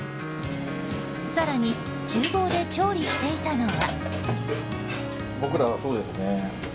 更に厨房で調理していたのは。